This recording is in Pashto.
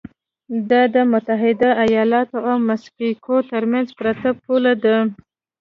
دا د متحده ایالتونو او مکسیکو ترمنځ پرته پوله ده.